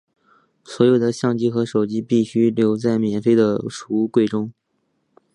所有的相机和手机必须留在免费的储物柜中。